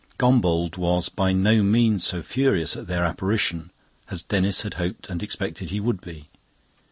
Gombauld was by no means so furious at their apparition as Denis had hoped and expected he would be.